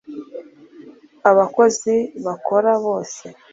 abakozi bakora bose.